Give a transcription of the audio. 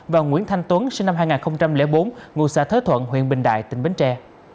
và nguyễn thanh tuấn sinh năm hai nghìn bốn ngụ xã thới thuận huyện bình đại tỉnh bến tre